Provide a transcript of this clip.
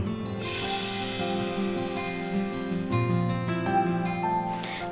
saya sudah punya catherine